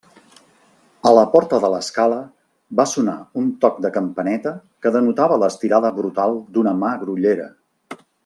A la porta de l'escala va sonar un toc de campaneta que denotava l'estirada brutal d'una mà grollera.